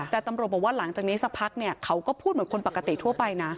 แต่ตำรวจบอกว่าหลังจากนี้สักพักเนี่ยเขาก็พูดเหมือนคนปกติทั่วไปนะ